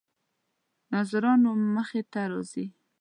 ناظرانو مخې ته راځي.